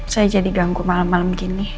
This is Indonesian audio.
saya jadi ganggu malam malam gini